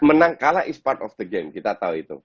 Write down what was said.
menang kalah e sport of the game kita tahu itu